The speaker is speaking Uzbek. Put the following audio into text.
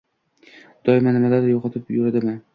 doimo nimanidir yo‘qotib yuradimi?